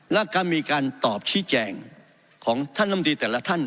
แล้วก็มีการตอบชี้แจงของท่านลำดีแต่ละท่าน